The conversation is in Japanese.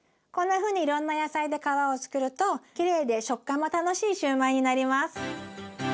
こんなふうにいろんな野菜で皮をつくるときれいで食感も楽しいシューマイになります。